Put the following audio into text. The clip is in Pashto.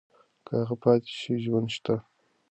که هغه پاتې شي ژوند شته.